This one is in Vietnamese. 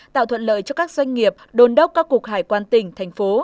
tạo thuận lợi cho các doanh nghiệp đôn đốc các cục hải quan tỉnh thành phố